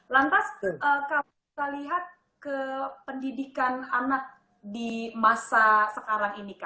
lantas kalau kita lihat ke pendidikan anak di masa sekarang ini